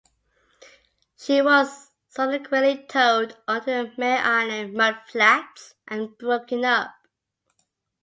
She was subsequently towed onto the Mare Island mud flats and broken up.